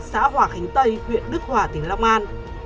xã hòa khánh tây huyện đức hòa tỉnh long an